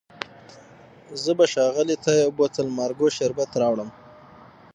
زه به ښاغلي ته یو بوتل مارګو شربت درته راوړم.